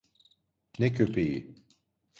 Ne köpeği?